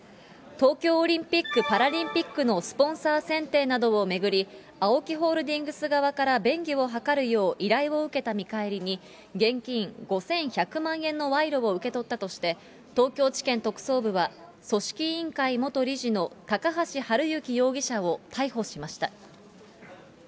東京オリンピック・パラリンピックのスポンサー選定などを巡り、ＡＯＫＩホールディングス側から便宜を図るよう依頼を受けた見返りに、現金５１００万円の賄賂を受け取ったとして、東京地検特捜部は組織委員会元理事の高橋治之容疑者を逮捕しました。